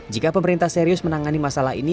jika pemerintah serius menangani masalah ini